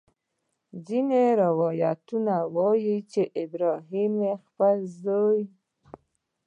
ځینې روایتونه وایي چې ابراهیم خپل زوی.